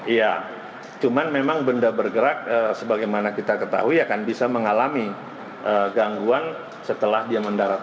iya cuman memang benda bergerak sebagaimana kita ketahui akan bisa mengalami gangguan setelah dia mendarat